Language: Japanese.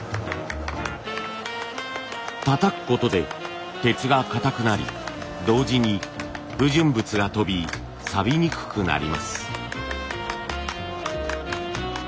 たたくことで鉄が硬くなり同時に不純物が飛びさびにくくなります。